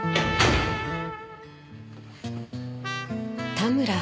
田村。